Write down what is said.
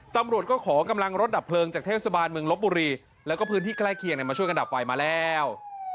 ตำรวจก็ขอกำลังรถดับเพลิงจากเทศบาลเมืองลบบุรีแล้วก็พื้นที่ใกล้เคียงมาช่วยกันดับไฟมาแล้ว